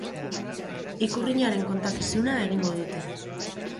Ikurrinaren kontakizuna egingo dute.